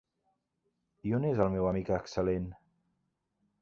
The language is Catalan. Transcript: I on és el meu amic excel·lent?